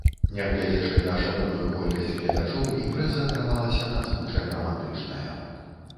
Нягледзячы на шалёную колькасць гледачоў, імпрэза атрымалася надзвычай рамантычная.